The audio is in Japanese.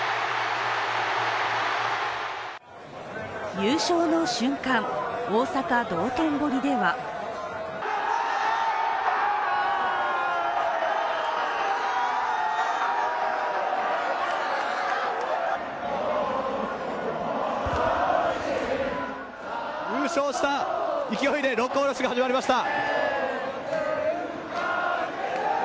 優勝の瞬間、大阪・道頓堀では優勝した勢いで「六甲おろし」が始まりました。